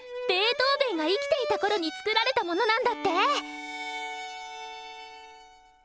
トーヴェンが生きていたころに作られたものなんだって！